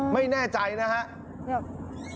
ไม่แน่ใจนะครับ